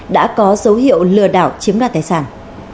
đã có dấu hiệu lừa đảo chiếm đoạt tài sản